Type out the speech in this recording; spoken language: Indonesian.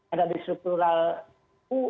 ada di struktural u